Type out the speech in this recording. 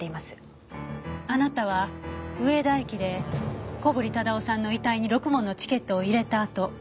あなたは上田駅で小堀忠夫さんの遺体にろくもんのチケットを入れたあと